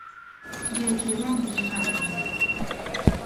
บิวธีรัลดีไฮด์